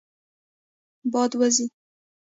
باد وزي.